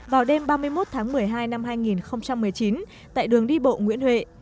vào đêm ba mươi một một mươi hai hai nghìn một mươi chín tại đường đi bộ nguyễn huệ